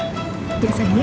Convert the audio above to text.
pelan pelan aja jalannya ya